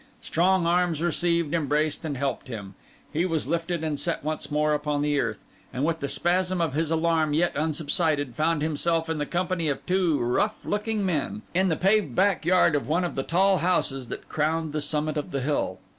Strong arms received, embraced, and helped him; he was lifted and set once more upon the earth; and with the spasm of his alarm yet unsubsided, found himself in the company of two rough looking men, in the paved back yard of one of the tall houses that crowned the summit of the hill.